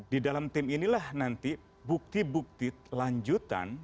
di dalam tim inilah nanti bukti bukti lanjutan